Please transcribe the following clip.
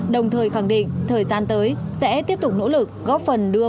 đồng thời khẳng định thời gian tới sẽ tiếp tục nỗ lực góp phần đưa